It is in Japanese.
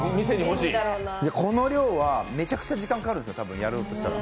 この量はめちゃくちゃ時間がかかるんですよ、やろうとしたら。